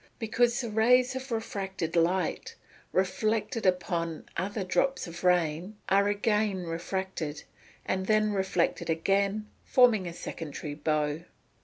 _ Because the rays of refracted light, reflected upon other drops of rain, are again refracted, and then reflected again, forming a secondary bow.